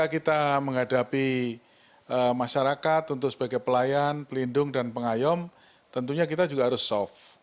kita menghadapi masyarakat untuk sebagai pelayan pelindung dan pengayom tentunya kita juga harus soft